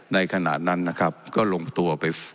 ในขณะนั้นนะครับก็ลงตัวไป